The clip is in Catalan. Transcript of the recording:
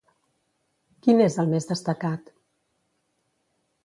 Quin és el més destacat?